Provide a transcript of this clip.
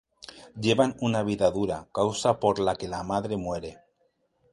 Llevan una vida dura, causa por la que la madre muere.